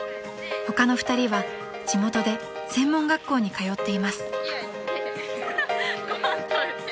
［他の２人は地元で専門学校に通っています］